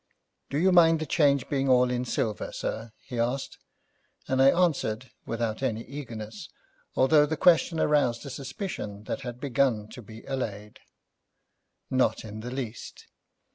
'Do you mind the change being all in silver, sir?' he asked, and I answered without any eagerness, although the question aroused a suspicion that had begun to be allayed, 'Not in the least.'